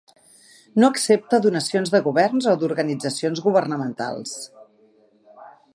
No accepta donacions de governs o d'organitzacions governamentals.